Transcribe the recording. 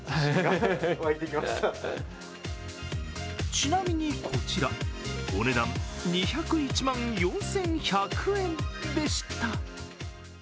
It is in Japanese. ちなみにこちらお値段２０１万４１００円でした。